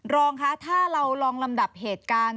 รองคะถ้าเราลองลำดับเหตุการณ์